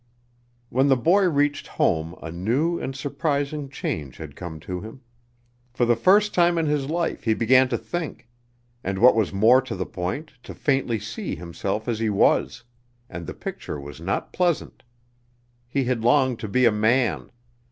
When the boy reached home a new and surprising change had come to him. For the first time in his life he began to think and what was more to the point, to faintly see himself as he was, and the picture was not pleasant. He had longed to be a man.